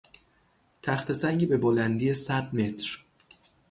تخته سنگی به بلندی صدمتر